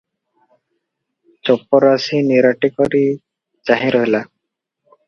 ଚପରାଶି ନିରାଟିକରି ଚାହିଁ ରହିଲା ।